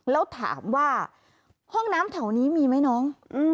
แล้วถามว่าห้องน้ำแถวนี้มีไหมน้อง